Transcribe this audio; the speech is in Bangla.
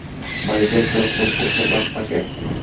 বাড়িতে একটা উৎসব-উৎসব ভাব থাকে।